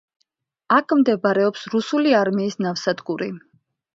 აქ მდებარეობს რუსული არმიის ნავსადგური.